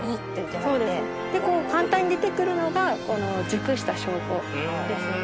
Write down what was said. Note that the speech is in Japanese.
簡単に出て来るのが熟した証拠ですね。